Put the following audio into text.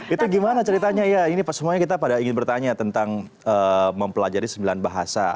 itu gimana ceritanya ya ini semuanya kita pada ingin bertanya tentang mempelajari sembilan bahasa